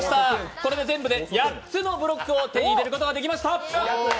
これで全部で８つのブロックを手に入れることができました。